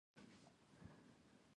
سوالګر ته د شتمن نظر ډېر مهم دی